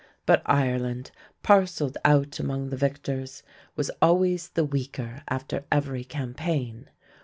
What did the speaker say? But Ireland, parcelled out among the victors, was always the weaker after every campaign.